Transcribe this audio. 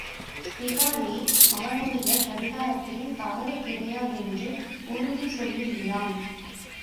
இஸ்பிகாரி, அவனுடைய கடிகாரத்தில் தவறு கிடையாதென்று உறுதி சொல்லுகிறான்.